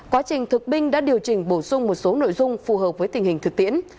quá trình thực binh đã điều chỉnh bổ sung một số nội dung phù hợp với tình hình thực tiễn